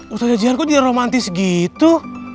ustaznya cihan kok tidak romantis gitu